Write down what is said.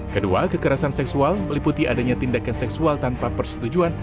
kedua kekerasan seksual meliputi adanya tindakan seksual tanpa persetujuan